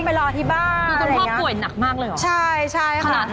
คุณพ่อป่วยหนักมากเลยเหรอขนาดไหนอ่ะใช่ค่ะ